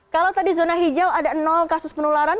kalau tadi zona hijau ada kasus penularan